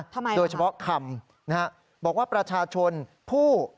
ทำไมล่ะคะโดยเฉพาะคำนะครับบอกว่าประชาชนผู้